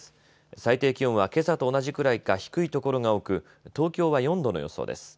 最低気温はけさと同じくらいか低いところが多く東京は４度の予想です。